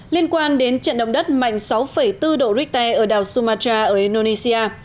liên quan đến trận động đất mạnh sáu bốn độ richter ở đảo sumatra ở indonesia